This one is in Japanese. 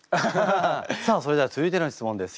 さあそれでは続いての質問です。